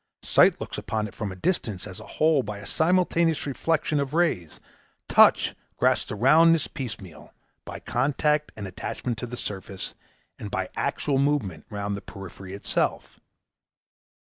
Sight looks upon it from a distance as a whole by a simultaneous reflection of rays; touch grasps the roundness piecemeal, by contact and attachment to the surface, and by actual movement round the periphery itself.